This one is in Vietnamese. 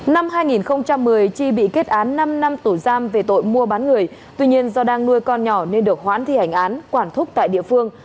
năm hai nghìn một mươi chi bị kết án năm năm tù giam về tội mua bán người tuy nhiên do đang nuôi con nhỏ nên được hoãn thi hành án quản thúc tại địa phương